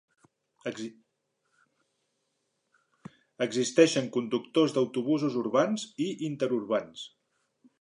Existeixen conductors d'autobusos urbans i interurbans.